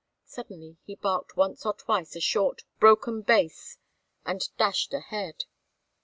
Suddenly he barked once or twice a short, broken bass and dashed ahead.